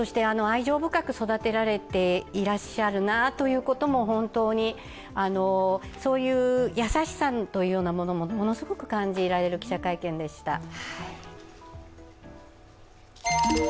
愛情深く育てられていらっしゃるなということもそういう優しさというようなものも感じられる記者会見でした。